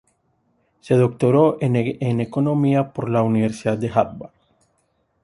Se doctoró en Economía por la Universidad de Harvard.